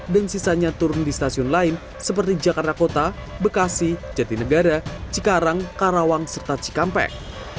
dan sisanya turun di stasiun lain seperti jakarta kota bekasi jatinegara cikarang karawang serta cikampek